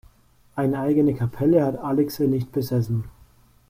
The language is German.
Eine eigene Kapelle hat Aligse nicht besessen.